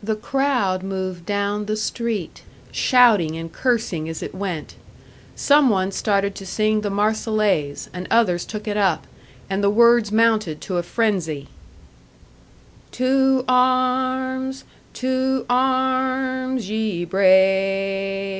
The crowd moved down the street, shouting and cursing as it went. Some one started to sing the Marseillaise, and others took it up, and the words mounted to a frenzy: "To arms! To arms, ye brave!